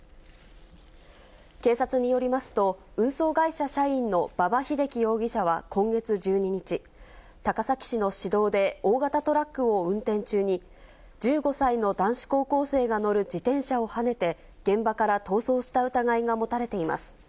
警察によりますと、運送会社社員の馬場英樹容疑者は今月１２日、高崎市の市道で大型トラックを運転中に、１５歳の男子高校生が乗る自転車をはねて、現場から逃走した疑いが持たれています。